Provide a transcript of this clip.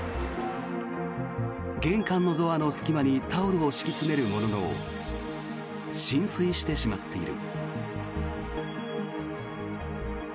玄関のドアの隙間にタオルを敷き詰めるものの浸水してしまっている。